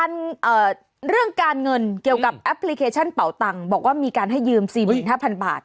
เรื่องการเงินเกี่ยวกับแอปพลิเคชันเป่าตังค์บอกว่ามีการให้ยืม๔๕๐๐บาท